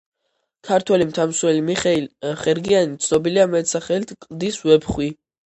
ქართველი მთამსვლელი მიხეილ ხერგიანი, ცნობილია მეტსახელით - კლდის ვეფხვი.